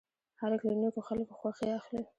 هلک له نیکو خلکو خوښي اخلي.